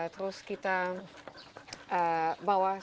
terus kita bawa mereka ke jawa barat